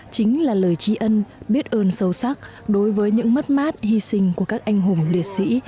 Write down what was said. chính là lời trí ân biết ơn sâu sắc đối với những mất mát hy sinh của các anh hùng liệt sĩ